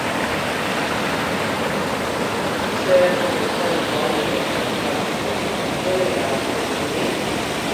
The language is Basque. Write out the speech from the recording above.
Zer edo zer dohainik eskaintzen badizut, nola irabazten dut nik?